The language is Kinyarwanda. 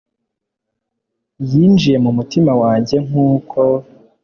Yinjiye mu mutima wanjye nk'uko